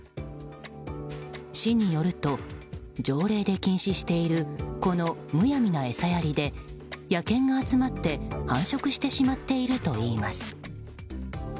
市によると、条例で禁止しているこの、むやみな餌やりで野犬が集まって繁殖してしまっているといいます。